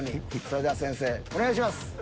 それでは先生お願いします。